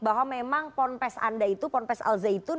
bahwa memang ponpes anda itu ponpes al zaitun